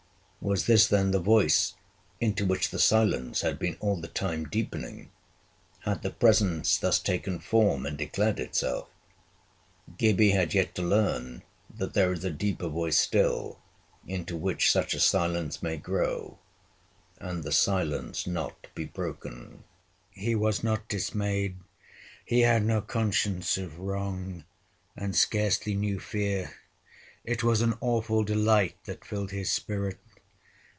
Was this then the voice into which the silence had been all the time deepening? had the Presence thus taken form and declared itself? Gibbie had yet to learn that there is a deeper voice still into which such a silence may grow and the silence not be broken. He was not dismayed. He had no conscience of wrong, and scarcely knew fear. It was an awful delight that filled his spirit.